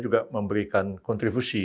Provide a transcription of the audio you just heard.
juga memberikan kontribusi